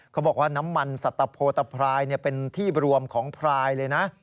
เขาบอกว่าน้ำมันสัตวโพตะพรายเป็นที่รวมของพรายเลยนะ